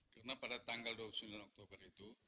karena pada tanggal dua puluh sembilan oktober itu